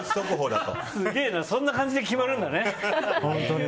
すげえな、そんな感じで決まるんだね。